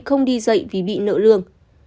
không đi dạy vì bị nợ lương